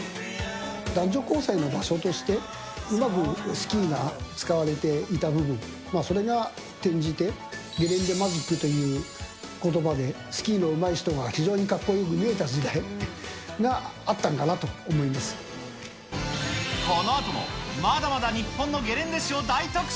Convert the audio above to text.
男女交際の場所として、うまくスキーが使われていた部分、それが転じて、ゲレンデマジックということばで、スキーのうまい人が非常にかっこよく見えた時代があったのかなとこのあとも、まだまだ日本のゲレンデ史を大特集。